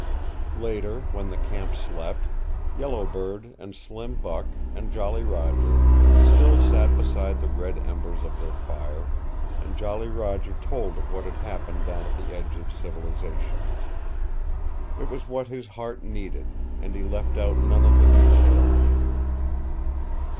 Later, when the camp slept, Yellow Bird and Slim Buck and Jolly Roger still sat beside the red embers of their fire, and Jolly Roger told of what had happened down at the edge of civilization. It was what his heart needed, and he left out none of the details.